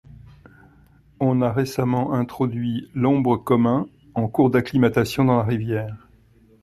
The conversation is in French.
On a récemment introduit l'ombre commun, en cours d'acclimatation dans la rivière.